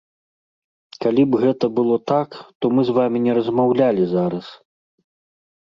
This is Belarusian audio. Калі б гэта было так, то мы з вамі не размаўлялі зараз.